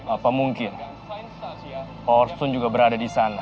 apa mungkin power stone juga berada di sana